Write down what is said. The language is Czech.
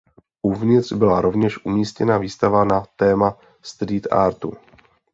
Uvnitř byla rovněž umístěna výstava na téma street artu.